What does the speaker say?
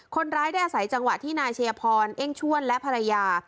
คนร้ายได้อาศัยจังหวะที่นายชัยพรเอ้งชวนและภรรยา